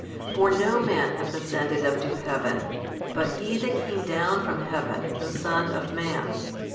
For no man hath ascended up to heaven but He That came down from heaven the Son of man.